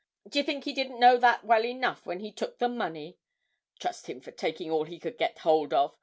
D'ye think he didn't know that well enough when he took the money? Trust him for takin' all he could get hold of!